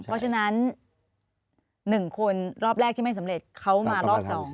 เพราะฉะนั้น๑คนรอบแรกที่ไม่สำเร็จเขามารอบ๒